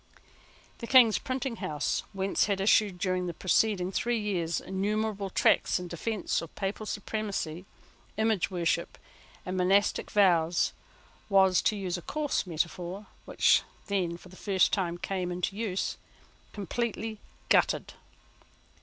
The King's printing house, whence had issued, during the preceding three years, innumerable tracts in defence of Papal supremacy, image worship, and monastic vows, was, to use a coarse metaphor which then, for the first time, came into use, completely gutted.